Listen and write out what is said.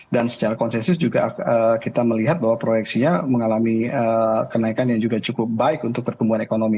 dan secara konsensus juga kita melihat bahwa proyeksinya mengalami kenaikan yang cukup baik untuk pertumbuhan ekonomi